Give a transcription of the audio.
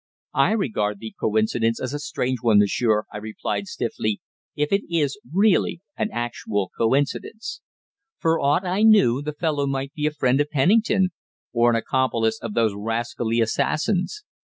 "I regard the coincidence as a strange one, monsieur," I replied stiffly, "if it is really an actual coincidence." For aught I knew, the fellow might be a friend of Pennington, or an accomplice of those rascally assassins.